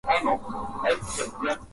Yeye akikupenda, wala hatoitoi kasoro.